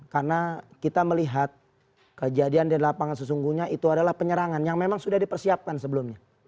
karena kita melihat kejadian di lapangan sesungguhnya itu adalah penyerangan yang memang sudah dipersiapkan sebelumnya